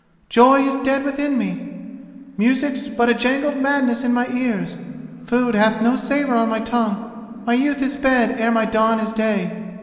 Joy is dead within me, music's but a jangled madness in my ears, food hath no savour on my tongue, my youth is sped ere my dawn is day.